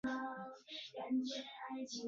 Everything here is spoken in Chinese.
胡商彝是清朝光绪癸卯科进士。